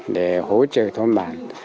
để hỗ trợ thôn bản